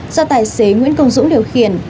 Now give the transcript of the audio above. do tài xế nguyễn công dũng điều khiển